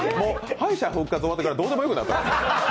敗者復活終わったらどうでもよくなった？